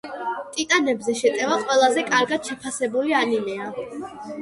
ტიტანებზე შეტევა ყველაზე კარგად შეფასებული ანიმეა.